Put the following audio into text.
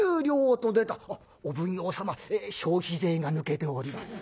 「あっお奉行様消費税が抜けております」。